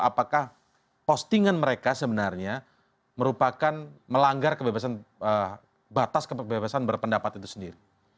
apakah postingan mereka sebenarnya merupakan melanggar kebebasan batas kebebasan berpendapat itu sendiri